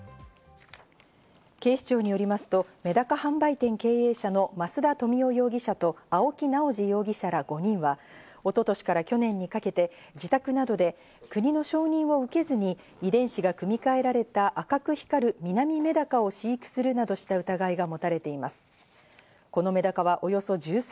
警視庁によりますと、メダカ販売店経営者の増田富男容疑者と青木直樹容疑者ら５人は、一昨年から去年にかけて自宅などで、国の承認を受けずに遺伝子が組み換えられた赤く光るミナミメダカを飼育するなどした疑いが持たれています。